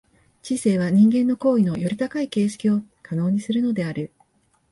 知性は人間の行為のより高い形式を可能にするのである。